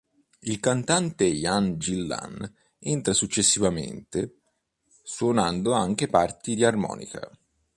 Il cantante Ian Gillan entra successivamente, suonando anche parti di armonica.